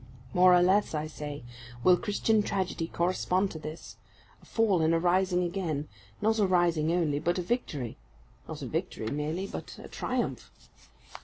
More or less, I say, will Christian tragedy correspond to this a fall and a rising again; not a rising only, but a victory; not a victory merely, but a triumph.